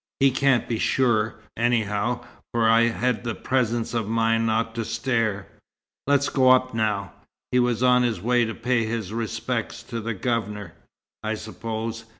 He can't be sure, anyhow, for I had the presence of mind not to stare. Let's go up now. He was on his way to pay his respects to the Governor, I suppose.